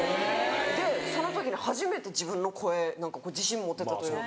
その時に初めて自分の声自信持てたというか。